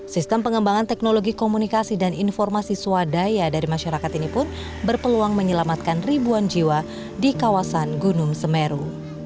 sistem pengembangan teknologi komunikasi dan informasi swadaya dari masyarakat ini pun berpeluang menyelamatkan ribuan jiwa di kawasan gunung semeru